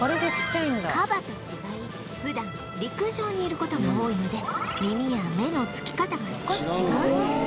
カバと違い普段陸上にいる事が多いので耳や目のつき方が少し違うんです